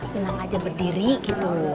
bilang aja berdiri gitu